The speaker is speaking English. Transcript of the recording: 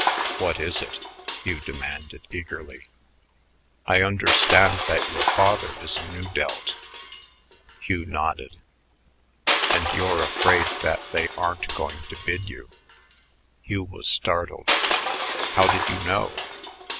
"What is it?" Hugh demanded eagerly. "I understand that your father is a Nu Delt." Hugh nodded. "And you're afraid that they aren't going to bid you." Hugh was startled. "How did you know?"